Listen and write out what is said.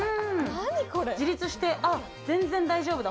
自立して全然大丈夫だ。